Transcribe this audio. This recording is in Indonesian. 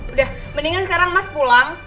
udah mendingan sekarang mas pulang